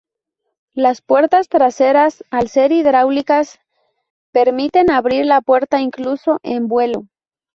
Las puertas traseras, al ser hidráulicas, permiten abrir la puerta incluso en vuelo.